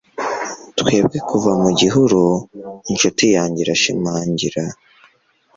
twebwe kuva mu gihuru, inshuti yanjye irashimangira